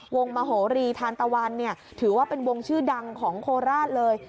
มโหรีธานตะวันเนี่ยถือว่าเป็นวงชื่อดังของโคราชเลย